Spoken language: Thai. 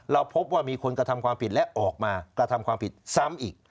เราพบว่ามีคนกระทำความผิดและออกมากระทำความผิดซ้ำอีก